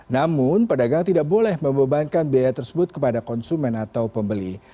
namun pedagang tidak boleh membebankan biaya tersebut kepada konsumen atau pembeli